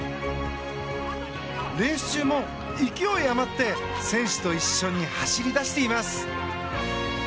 レース中も勢い余って選手と一緒に走り出しています。